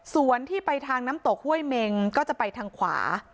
ส่วนที่ไปทางน้ำตกห้วยเมงก็จะไปทางขวา